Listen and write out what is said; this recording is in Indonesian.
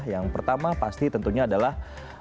yang pertama pasti tentunya adalah